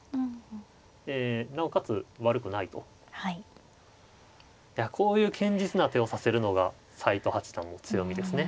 いやこういう堅実な手を指せるのが斎藤八段の強みですね。